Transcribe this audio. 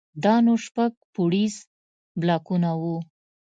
دا نو شپږ پوړيز بلاکونه وو.